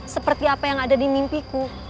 seperti apa yang ada di mimpiku